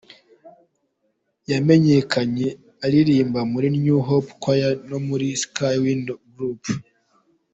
Yamenyekanye aririmba muri New Hope Choir no muri Sky Winds Group.